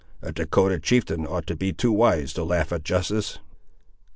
A Dahcotah chieftain ought to be too wise to laugh at justice."